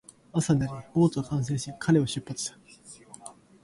朝になり、ボートが完成し、彼は出発した